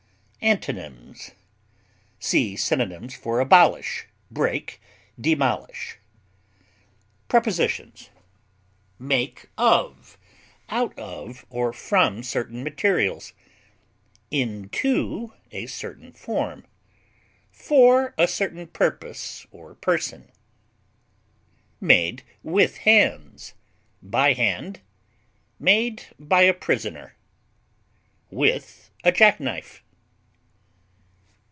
Antonyms: See synonyms for ABOLISH; BREAK; DEMOLISH. Prepositions: Make of, out of, or from certain materials, into a certain form, for a certain purpose or person; made with hands, by hand; made by a prisoner, with a jack knife.